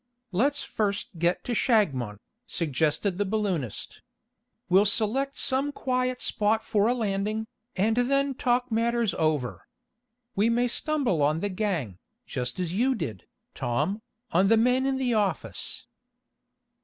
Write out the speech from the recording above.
"Let's first get to Shagmon," suggested the balloonist. "We'll select some quiet spot for a landing, and then talk matters over. We may stumble on the gang, just as you did, Tom, on the men in the office."